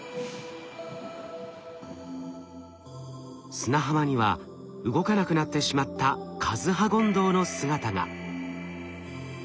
砂浜には動かなくなってしまったカズハゴンドウの姿が。